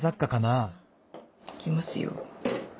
いきますよ。